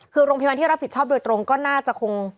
คือโรงพยาบาลที่รับผิดชอบโดยตรงก็น่าจะคง